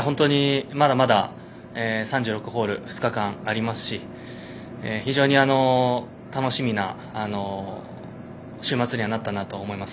まだまだ３６ホール２日間ありますし非常に楽しみな週末になったと思います。